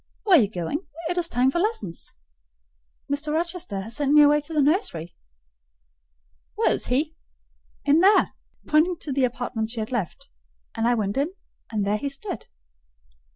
"Where are you going? It is time for lessons." "Mr. Rochester has sent me away to the nursery." "Where is he?" "In there," pointing to the apartment she had left; and I went in, and there he stood.